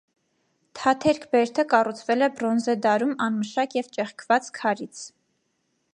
Թաթերք բերդը կառուցվել է բրոնզե դարում անմշակ և ճեղքված քարից։